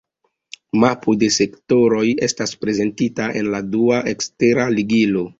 Mapo de sektoroj estas prezentita en la dua ekstera ligilo.